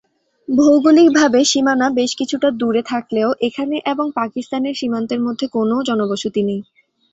ভৌগোলিকভাবে সীমানা বেশ কিছুটা দূরে থাকলেও এখানে এবং পাকিস্তানের সীমান্তের মধ্যে কোনও জনবসতি নেই।